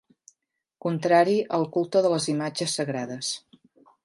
Contrari al culte de les imatges sagrades.